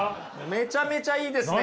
めちゃめちゃいいですね。